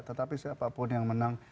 tetapi siapapun yang menang